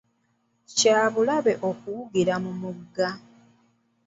Kya bulabe okuwugira mu mugga.